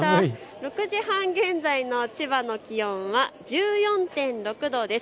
６時半現在の千葉の気温は１４．６度です。